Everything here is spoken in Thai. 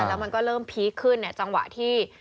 แล้วมันก็เริ่มพีคขึ้นเนี่ยจังหวะที่